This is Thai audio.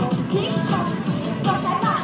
ตรงตรงล่างนะคะ